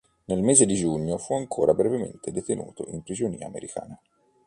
Nel mese di giugno, fu ancora brevemente detenuto in prigionia americana.